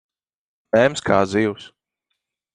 Mēms kā zivs.